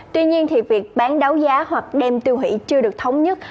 tuy nhiên việc bán đáo giá hoặc đem tiêu hủy chưa được thống nhất